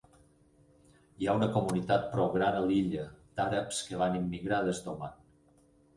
Hi ha una comunitat prou gran a l'illa d'àrabs que van immigrar des d'Oman.